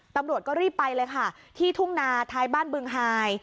ตำรวจก็รีบไปเลยค่ะที่ทุ่งนาท้ายบ้านบึงฮาย